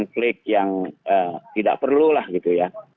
atau konflik yang tidak perlulah gitu ya